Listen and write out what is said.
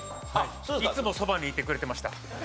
いつもそばにいてくれてました。